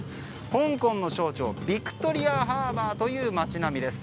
香港の象徴ビクトリアハーバーという街並みです。